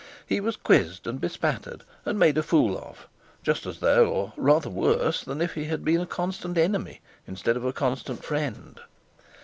He was quizzed and bespattered and made a fool of, just as though, or rather than if, he had been a constant enemy instead of a constant friend.